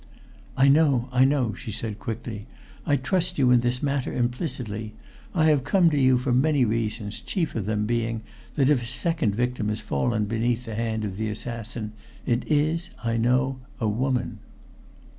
"I know, I know!" she said quickly. "I trust you in this matter implicitly. I have come to you for many reasons, chief of them being that if a second victim has fallen beneath the hand of the assassin, it is, I know, a woman."